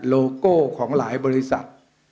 โลโก้ของหลายบริษัท